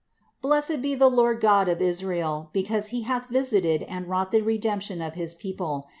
"Blessed be the Lord God of Israel; because He hath visited and wrought the redemption of his people : 69.